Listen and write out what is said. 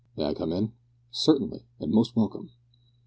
"May I come in?" "Certainly, and most welcome."